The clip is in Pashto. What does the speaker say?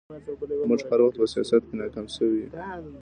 موږ هر وخت په سياست کې ناکام شوي يو